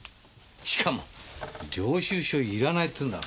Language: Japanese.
しかも領収書いらないっつうんだ。